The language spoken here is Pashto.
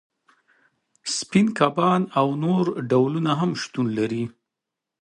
سپین کبان او نور ډولونه هم شتون لري